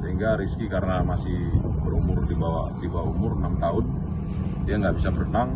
sehingga rizky karena masih berumur di bawah umur enam tahun dia nggak bisa berenang